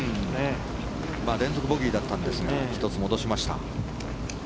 連続ボギーだったんですが１つ戻しました。